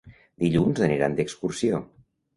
Dilluns aniran d'excursió.